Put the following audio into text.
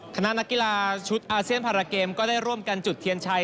นักกีฬาชุดอาเซียนพาราเกมก็ได้ร่วมกันจุดเทียนชัย